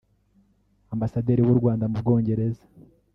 Ambasaderi w’u Rwanda mu Bwongereza